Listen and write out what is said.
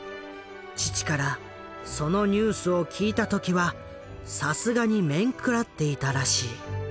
父からそのニュースを聞いた時はさすがにめんくらっていたらしい。